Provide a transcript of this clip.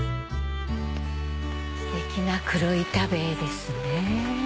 ステキな黒板塀ですね。